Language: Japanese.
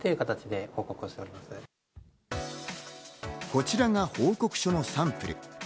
こちらが報告書のサンプル。